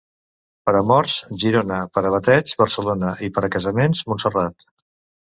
Per a morts, Girona; per a bateigs, Barcelona, i per a casaments, Montserrat.